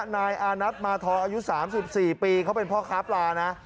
นายอานัทมาทออายุ๓๔ปีเขาเป็นพ่อค้าปลานะ